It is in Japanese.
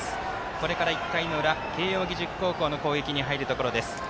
これから１回の裏慶応義塾高校の攻撃に入るところです。